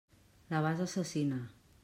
La vas assassinar.